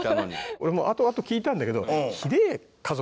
俺もあとあと聞いたんだけど。